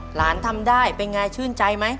ทำได้เป็นไงชื่นใจไหม